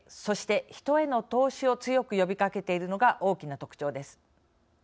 そして、人への投資を強く呼びかけているのが大きな特徴です。